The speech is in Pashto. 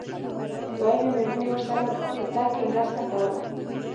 دويمې مېرمنې ورسره په تګ کې مرسته کوله.